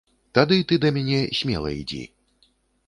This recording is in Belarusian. Тады ты да мяне смела ідзі.